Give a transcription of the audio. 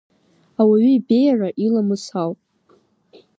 Ауаҩы ибеиара иламыс ауп.